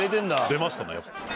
出ましたねやっぱり。